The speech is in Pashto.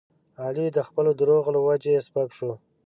علي د خپلو دروغو له وجې سپک شو.